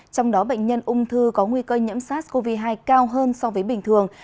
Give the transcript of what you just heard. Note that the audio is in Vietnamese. trong đó bệnh nhân ung thư có nguy cơ nhiễm sát covid hai cao hơn so với bình thường